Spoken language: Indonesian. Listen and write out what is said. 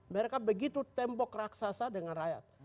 mereka begitu tembok raksasa dengan rakyat